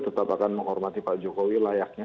tetap akan menghormati pak jokowi layaknya